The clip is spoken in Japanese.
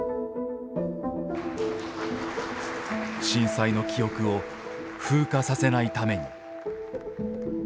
「震災の記憶を風化させないために」。